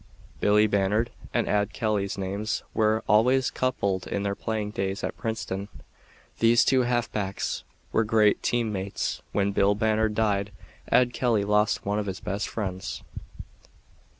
Billy Bannard and Ad Kelly's names were always coupled in their playing days at Princeton. These two halfbacks were great team mates. When Bill Bannard died Ad Kelly lost one of his best friends.